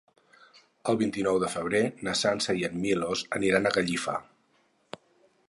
El vint-i-nou de febrer na Sança i en Milos aniran a Gallifa.